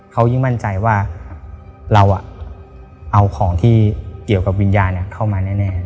เขายิ่งมั่นใจว่าเราเอาของที่เกี่ยวกับวิญญาณเข้ามาแน่